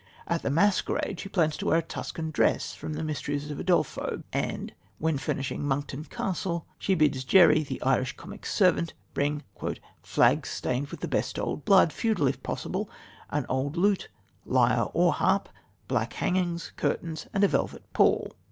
At the masquerade she plans to wear a Tuscan dress from The Mysteries of Udolpho, and, when furnishing Monkton Castle she bids Jerry, the Irish comic servant, bring "flags stained with the best old blood feudal, if possible, an old lute, lyre or harp, black hangings, curtains, and a velvet pall."